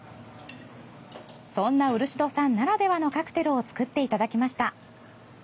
そんな漆戸さんならではのカクテルを作っていただきました。